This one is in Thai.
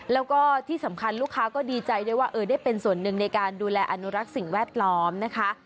แล้วก็ที่สำคัญลูกค้าก็ดีใจด้วยว่าได้เป็นส่วนหนึ่งในการดูแลอนุรักษ์สิ่งแวดล้อมนะคะ